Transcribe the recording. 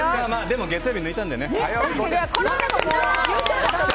でも月曜日抜いたんでね。